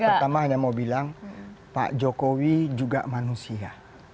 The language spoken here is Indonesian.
pertama hanya mau bilang pak jokowi juga manusia